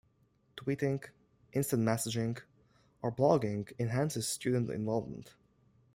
Tweeting, instant messaging, or blogging enhances student involvement.